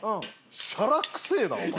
しゃらくせぇなお前。